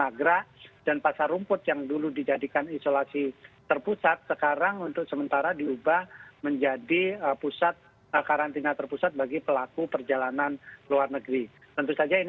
jadi rasanya selain kemudian melakukan isolasi mandiri pemerintah juga akan menyiapkan pusat pusat isolasi terpadu ya